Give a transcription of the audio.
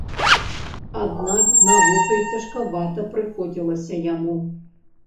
Аднак з навукай цяжкавата прыходзілася яму.